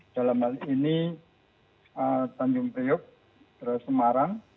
dalam hal ini tanjung priuk terus semarang